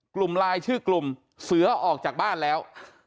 กลุ่มลายชื่อกลุ่มเสือออกจากบ้านแล้ว